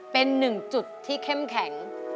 เป็นหนึ่งจุดที่เข้มแข็ง